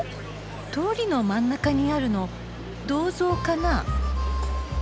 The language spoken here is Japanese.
通りの真ん中にあるの銅像かな？